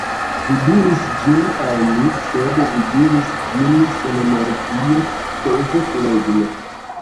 Vi diris ĝin al mi; sed vi diris ĝin senenergie, peze, flegme.